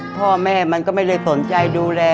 พ่อแม่มันก็ไม่ได้สนใจดูแล